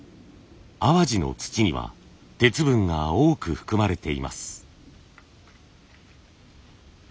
淡路の土には鉄分が多く含まれています。